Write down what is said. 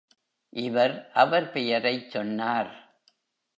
இவர் அவர் பெயரைச் சொன்னார்.